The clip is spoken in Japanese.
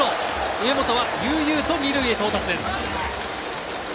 上本は悠々と２塁へ到達です。